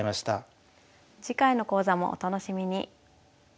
次回の講座もお楽しみに。